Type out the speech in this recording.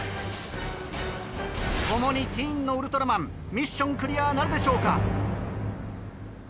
共にティーンのウルトラマンミッションクリアなるでしょうか？